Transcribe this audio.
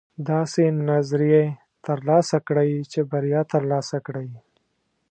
داسې نظریې ترلاسه کړئ چې بریا ترلاسه کړئ.